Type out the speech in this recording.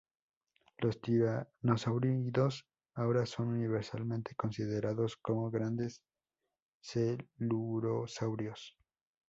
Los tiranosáuridos ahora son universalmente considerados como grandes celurosaurios.